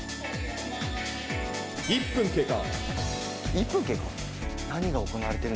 １分経過？